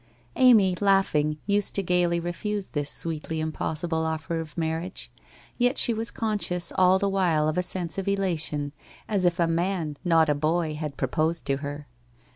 Amy, laughing, used to gaily refuse this sweetly impos sible offer of marriage. Yet she was conscious all the while of a sense of elation, as if a man, not a boy, had proposed to her.